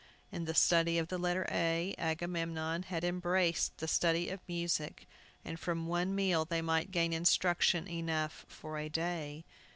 In the study of the letter A, Agamemnon had embraced the study of music, and from one meal they might gain instruction enough for a day.